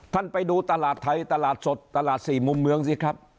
ไปดูตลาดไทยตลาดสดตลาดสี่มุมเมืองสิครับ